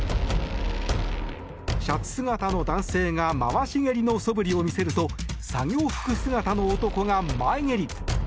シャツ姿の男性が回し蹴りのそぶりを見せると作業服姿の男が前蹴り。